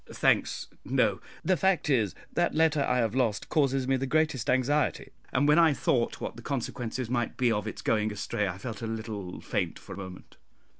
"Thanks, no; the fact is, that letter I have lost causes me the greatest anxiety, and when I thought what the consequences might be of its going astray I felt a little faint for a moment."